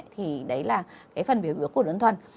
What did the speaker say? thì đấy là phần biểu khuẩn ơn thuần